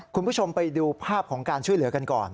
คุณผู้ชมไปดูภาพของการช่วยเหลือกันก่อน